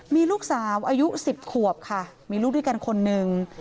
มีลูกสาวอายุ๑๐ขวบค่ะมีลูกด้วยกันคนหนึ่ง